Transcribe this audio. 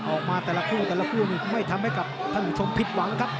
ออกมาแต่ละคู่แต่ละคู่นี่ไม่ทำให้กับท่านผู้ชมผิดหวังครับ